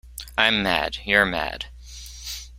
I’m mad. You’re mad.